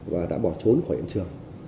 và đã bỏ trốn khỏi ảnh trường